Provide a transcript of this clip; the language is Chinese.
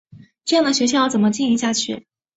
这样的学校要怎么经营下去？